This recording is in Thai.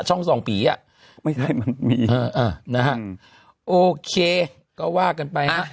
ช่องส่องผีอ่ะไม่ใช่มันมีนะฮะโอเคก็ว่ากันไปฮะ